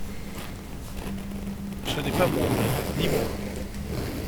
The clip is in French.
Ce n’est pas moi !— Ni moi !